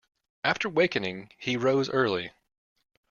After wakening, he rose early.